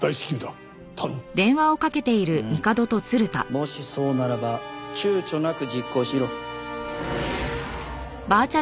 もしそうならば躊躇なく実行しろ。